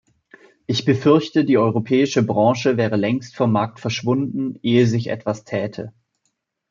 Ich befürchte, die europäische Branche wäre längst vom Markt verschwunden, ehe sich etwas täte.